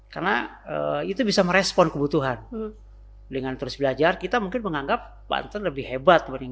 karena itu bisa merespon kebutuhan dengan terus belajar kita mungkin menganggap banten lebih hebat